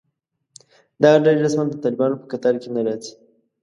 دغه ډلې رسماً د طالبانو په کتار کې نه راځي